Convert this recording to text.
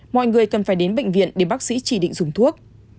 mọi người cần phải đến bệnh viện để bác sĩ chỉ định dùng thuốc